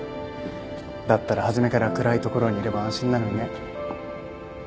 だったら初めから暗い所にいれば安心なのにね。